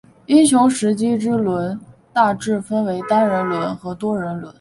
英雄时机之轮大致分为单人轮和多人轮。